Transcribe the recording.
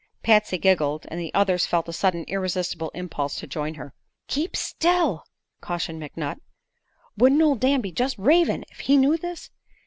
Patsy giggled, and the others felt a sudden irresistible impulse to join her. "Keep still!" cautioned McNutt. "Wouldn't ol' Dan be jest ravin' ef he knew this?